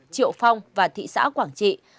triệu phong và thị xã quảng trị